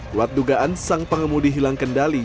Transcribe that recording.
kuat dugaan sang pengemudi hilang kendali